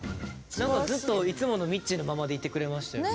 ずっといつものみっちーのままでいてくれましたよね。